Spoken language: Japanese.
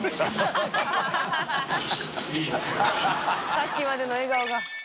さっきまでの笑顔が。